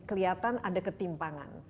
kelihatan ada ketimpangan